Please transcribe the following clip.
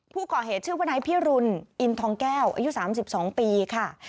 ผู้ก่อเหตุชื่อวนายพิรุณอินทองแก้วอายุ๓๒ปีค่ะ